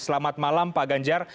selamat malam pak ganjar